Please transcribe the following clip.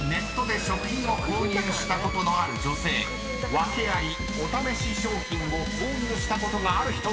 ［訳あり・お試し商品を購入したことがある人は？］